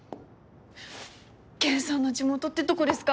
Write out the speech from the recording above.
ケンさんの地元ってどこですか？